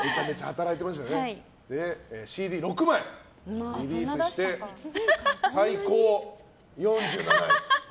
ＣＤ６枚、リリースして最高４７位。